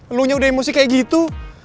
ngeluhnya udah emosi kayak gitu